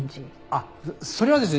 あっそれはですね